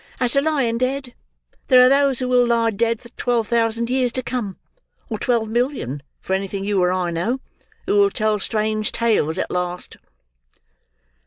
"As to lying dead, there are those who will lie dead for twelve thousand years to come, or twelve million, for anything you or I know, who will tell strange tales at last!"